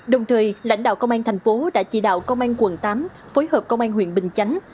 đồng thời lãnh đạo công an thành phố đã chỉ đạo công an quận tám phối hợp công an huyện bình chánh